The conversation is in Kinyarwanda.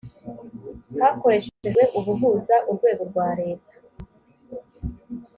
hakoreshejwe ubuhuza urwego rwa leta